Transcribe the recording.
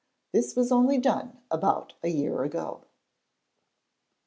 This was only done about a year ago.